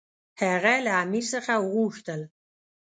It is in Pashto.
هغه له امیر څخه وغوښتل.